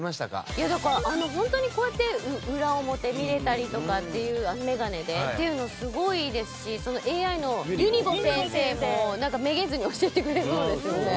いやだからホントにこうやって裏表見れたりとかっていうあのメガネでっていうのすごいいいですしＡＩのユニボ先生もなんかめげずに教えてくれそうですよね。